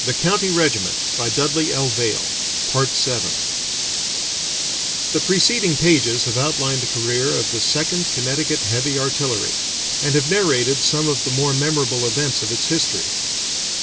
[Illustration: Monument at Arlington] The preceding pages have outlined the career of the Second Connecticut Heavy Artillery, and have narrated some of the more memorable events of its history.